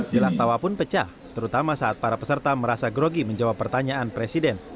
gelak tawa pun pecah terutama saat para peserta merasa grogi menjawab pertanyaan presiden